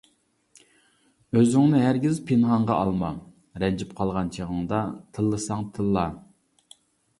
ئۆزۈڭنى ھەرگىز پىنھانغا ئالما، رەنجىپ قالغان چېغىڭدا تىللىساڭ تىللا!